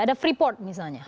ada freeport misalnya